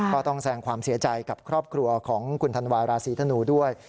ก็ต้องแสงความเสียใจกับครอบครัวของคุณธันวาราศีธนูด้วย